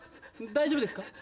大丈夫ですか？